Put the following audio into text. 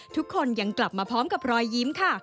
ทุกคนยังกลับมาพร้อมกับรอยยิ้มค่ะ